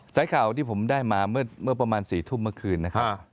สายข่าวที่ผมได้มาเมื่อประมาณ๔ทุ่มเมื่อคืนนะครับ